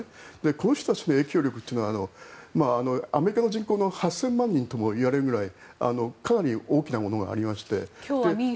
この人たちの影響力というのはアメリカの人口の８０００万人ともいわれるぐらいかなり大きなものがありまして。